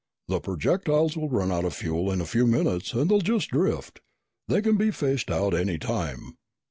"The projectiles will run out of fuel in a few minutes and they'll just drift. They can be fished out any time."